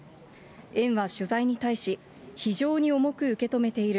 園は取材に対し、非常に重く受け止めている。